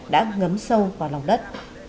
đã ngấm sâu vào lòng đất